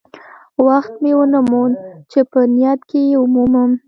وخت مې ونه موند چې په نیټ کې یې ومومم.